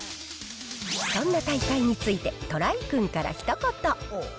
そんな大会について、トライくんからひと言。